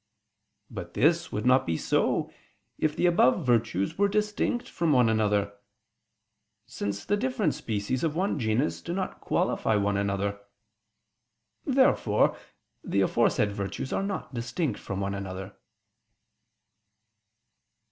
But this would not be so, if the above virtues were distinct from one another: since the different species of one genus do not qualify one another. Therefore the aforesaid virtues are not distinct from one another.